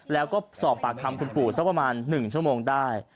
แล้วก็สอบปากคำคุณปู่สักประมาณ๑ชั่วโมงได้